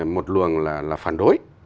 một luồng là phản đối